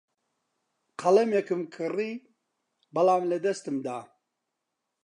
قەڵەمێکم کڕی، بەڵام لەدەستم دا.